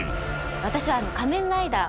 私は仮面ライダー